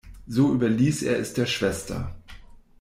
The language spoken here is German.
So überließ er es der Schwester.